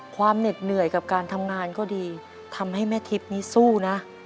เหน็ดเหนื่อยกับการทำงานก็ดีทำให้แม่ทิพย์นี้สู้นะ